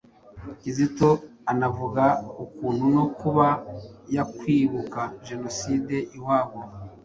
Kizito anavuga ukuntu no kuba yakwibuka jenoside iwabo